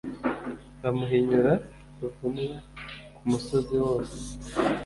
Bamuhinyura ruvumwa kumusozi wose